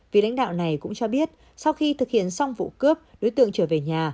vị lãnh đạo này cũng cho biết sau khi thực hiện xong vụ cướp đối tượng trở về nhà